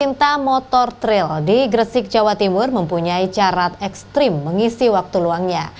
pecinta motor trail di gresik jawa timur mempunyai carat ekstrim mengisi waktu luangnya